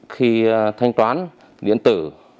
khi thanh toán điện tử